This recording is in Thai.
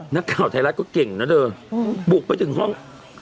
นักข่าวไทยรัฐก็เก่งนะเธอบุกไปถึงห้อง